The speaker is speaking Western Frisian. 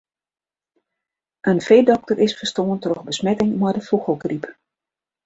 In feedokter is ferstoarn troch besmetting mei de fûgelgryp.